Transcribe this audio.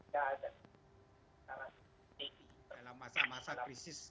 yang terkandung di dalamnya dalam masa pandemi covid sembilan belas yang dihadapi masyarakat saat ini